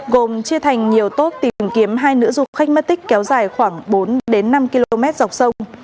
gồm chia thành nhiều tốp tìm kiếm hai nữ du khách mất tích kéo dài khoảng bốn đến năm km dọc sông